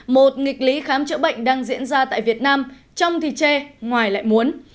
một nghịch lý khám chữa bệnh đang diễn ra tại việt nam trong thì tre ngoài lại muốn